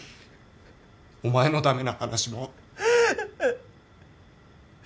お前の駄目な話も。